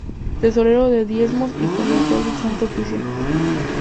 Tesorero de Diezmos y consultor del Santo Oficio.